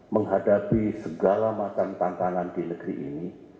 menghadapi segala macam tantangan di negeri ini